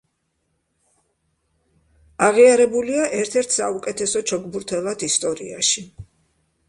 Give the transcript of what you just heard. აღიარებულია ერთ-ერთ საუკეთესო ჩოგბურთელად ისტორიაში.